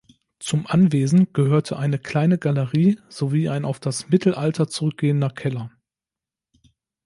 Zum Anwesen gehörte eine kleine Galerie sowie ein auf das Mittelalter zurückgehender Keller.